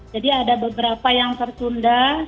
jadi ada beberapa yang tertunda